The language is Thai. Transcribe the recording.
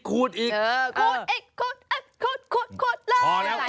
ขูดอีกขูดขูดขูดขูด